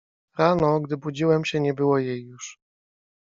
Rano, gdy budziłem się, nie było jej już.